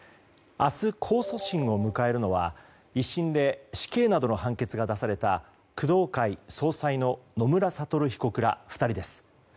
明日、控訴審を迎えるのは１審で死刑などの判決が出された工藤会総裁の野村悟被告ら２人です。